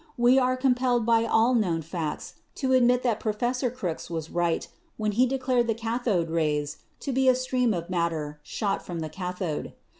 We are compelled by all the known facts to admit that Professor Crookes was right when he declared the cathode rays to be a stream of matter shot from the cathode.